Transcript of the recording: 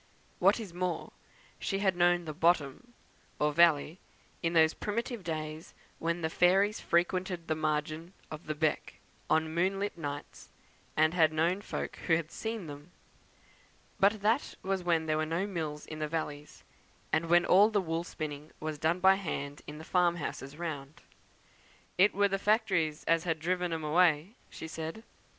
What is more, she had known the "bottom," or valley, in those primitive days when the fairies frequented the margin of the "beck" on moonlight nights, and had known folk who had seen them. But that was when there were no mills in the valleys; and when all the wool spinning was done by hand in the farm houses round. "It wur the factories as had driven 'em away," she said.